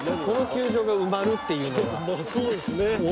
この球場が埋まるっていうのがまあそうですね